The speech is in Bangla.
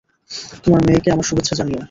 তোমার মেয়েকে আমার শুভেচ্ছা জানিয়ো!